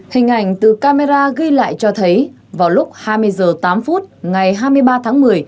hình ảnh từ camera ghi lại cho thấy vào lúc hai mươi h tám phút ngày hai mươi ba tháng một mươi